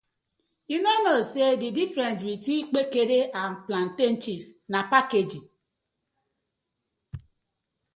Yu no kno say di difference between Kpekere and plantain chips na packaging.